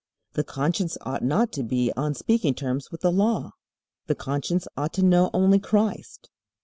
The conscience ought not to be on speaking terms with the Law. The conscience ought to know only Christ.